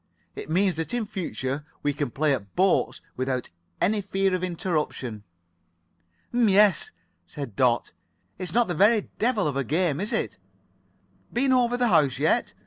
It means that in future we can play at boats without any fear of interruption." "M'yes," said Dot. "It's not the very devil of a game, is it? Been over the house yet?